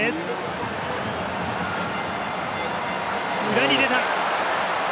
裏に出た。